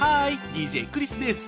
ＤＪクリスです。